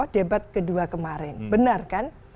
debat kedua kemarin benar kan